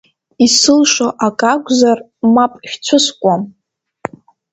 Исылшо акы акәзар, мап шәцәыскуам.